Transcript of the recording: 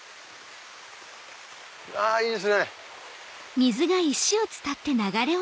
あいいですね！